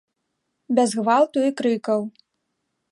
Без гвалту і крыкаў.